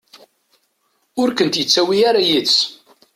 Ur kent-yettawi ara yid-s.